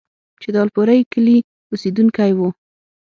چې د الپورۍ کلي اوسيدونکی وو،